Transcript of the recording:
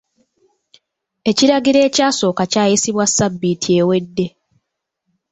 Ekiragiro ekyasooka kyayisibwa ssabbiiti ewedde.